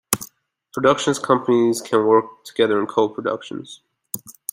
Production companies can work together in co-productions.